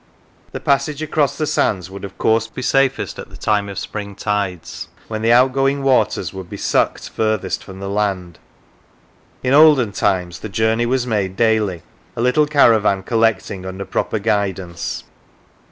The passage across the sands would of course be safest at the time of spring tides, when the outgoing waters would be sucked furthest from the land. In olden times the journey was made daily, a little caravan collecting under proper guidance.